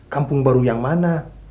kampung baru yang mana